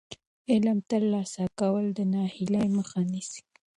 علم ترلاسه کول د ناهیلۍ مخه نیسي.